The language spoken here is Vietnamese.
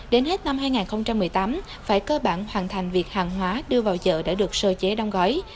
đến hết năm hai nghìn một mươi tám phải cơ bản hoàn thành việc hàng hóa đưa vào chợ đã được sơ chế đóng gói